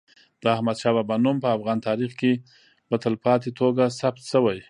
د احمد شاه بابا نوم په افغان تاریخ کي په تلپاتې توګه ثبت سوی.